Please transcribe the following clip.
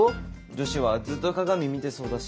女子はずっと鏡見てそうだし。